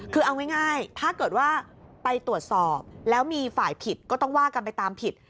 คือเอาง่ายถ้าเกิดว่าไปตรวจสอบแล้วมีฝ่ายผิดก็ต้องว่ากันไปตามผิด